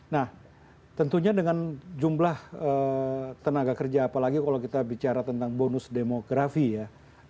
nah tentunya dengan jumlah tenaga kerja apalagi kalau kita bicara tentang bonus demografi ya